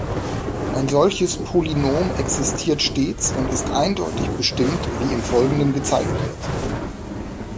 Ein solches Polynom existiert stets und ist eindeutig bestimmt, wie im Folgenden gezeigt wird.